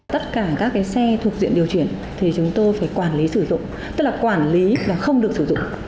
tất cả các xe thuộc diện điều chuyển thì chúng tôi phải quản lý sử dụng tức là quản lý và không được sử dụng